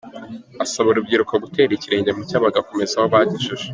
Asaba urubyiruko gutera ikirenge mu cyabo bagakomereza aho bagejeje.